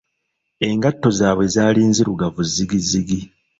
Engatto zaabwe zaali nzirugavu zzigizigi!